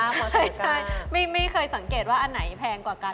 ใช่ไม่เคยสังเกตว่าอันไหนแพงกว่ากัน